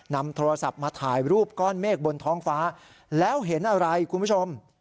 นำโทรศัพท์มาถ่ายรูปก้อนเมฆบนท้องฟ้าแล้วเห็นอะไรคุณผู้ชม